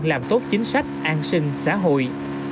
làm tốt chính sách an sinh xã hội